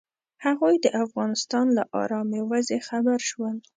هغوی د افغانستان له ارامې وضعې خبر شول.